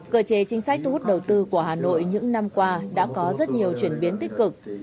cờ chế chính sách thu hút đầu tư của hà nội những năm qua đã có rất nhiều chuyển biến tích cực